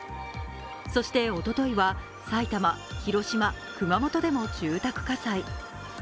そしておとといは埼玉、広島、熊本でも住宅火災。